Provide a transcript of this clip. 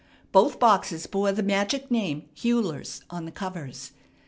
Both boxes bore the magic name "Huyler's" on the covers.